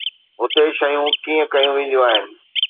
هتي شيون ڪيئن ڪيون وينديون آهن؟